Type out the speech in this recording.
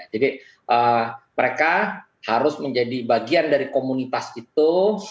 jadi mereka harus menjadi bagian dari komunitas itu